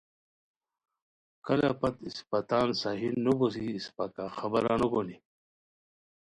کلہ پت اسپہ تان صحیح نوبوسی اسپہ کا خبرا نوگونی